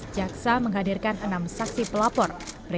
jaksa menghadirkan enam saksi pelapor